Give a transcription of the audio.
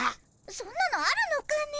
そんなのあるのかね。